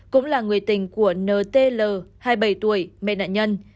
cũng là người tình của n t l hai mươi bảy tuổi mẹ nạn nhân